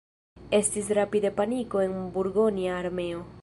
Estis rapide paniko en burgonja armeo.